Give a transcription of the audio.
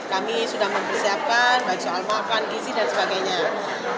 kami sudah mempersiapkan baik soal makan gizi dan sebagainya